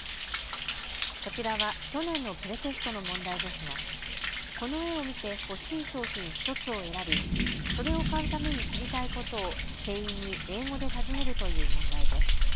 こちらは去年のプレテストの問題ですが、この絵を見て欲しい商品１つを選び、それを買うために知りたいことを店員に英語で尋ねるという問題です。